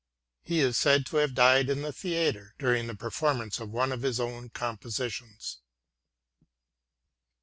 He is said to have died in the theatre, during the per formance of one of his own compositions.